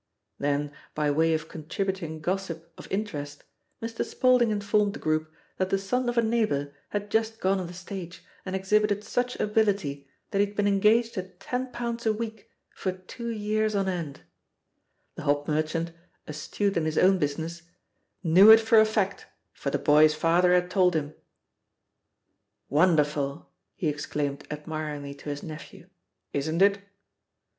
Then, by way of contributing gossip of inter est, Mr. Spaulding informed the group that the son of a neighbour had just gone on the stage and exhibited such ability that he had been en gaged at ten pounds a week for two years on 15 16 THE POSITION OF PEGGY HARPER end. The hop merchant, astute in his own busi ness, *'knew it for a fact, for the boy's father had told him," "Wonderful 1" he exclaimed admiringly to his nephew ; "isn't it